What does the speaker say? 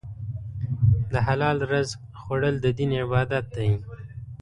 د حلال رزق خوړل د دین عبادت دی.